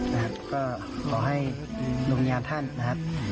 นะครับก็ขอให้ลูกยานท่านนะครับ